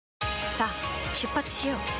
さあ出発しよう。